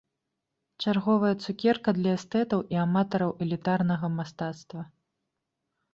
Чарговая цукерка для эстэтаў і аматараў элітарнага мастацтва.